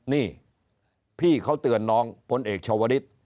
นี่พี่เขาเตือนน้องพลเอกชาวฤทธิ์